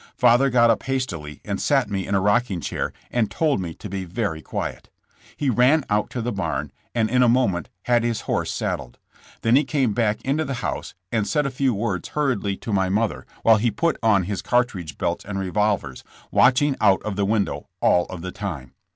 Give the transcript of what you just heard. Father got up hastily and sat me in a rocking chair, and told me to be very quiet. He ran out to the barn, and in a moment had his horse saddled. Then he came back into the house, and said a few words hurriedly to my mother while he put on his cartridge belts and revolvers, watching out of the window all of the time.